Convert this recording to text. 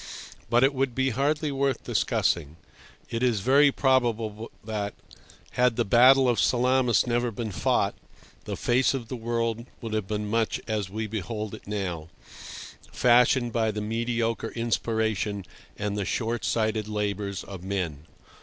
But it would be hardly worth discussing. It is very probable that, had the Battle of Salamis never been fought, the face of the world would have been much as we behold it now, fashioned by the mediocre inspiration and the short sighted labours of men.